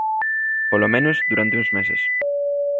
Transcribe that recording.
Polo menos, durante un meses.